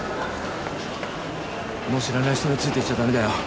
もう知らない人についていっちゃ駄目だよ。